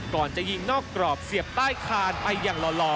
ก่อนจะยิงนอกกรอบเสียบใต้คานไปอย่างหล่อ